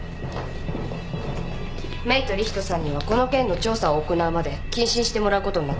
メイと理人さんにはこの件の調査を行うまで謹慎してもらうことになったわ。